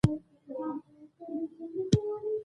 دا معنا نه لري چې اردو باید معیار شي.